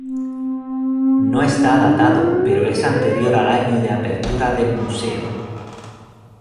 No está datado pero es anterior al año de apertura del Museo.